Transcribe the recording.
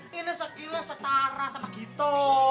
tidak ada ini ini setara sama gito